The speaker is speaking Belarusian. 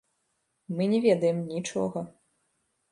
Мы не ведаем, нічога.